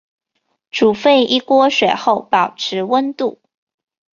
煮沸一锅水后保持温度。